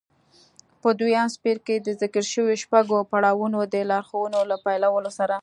په دويم څپرکي کې د ذکر شويو شپږو پړاوونو د لارښوونو له پيلولو سره.